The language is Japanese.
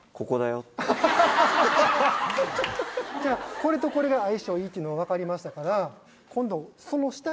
これとこれが相性いいっていうの分かりましたから今度。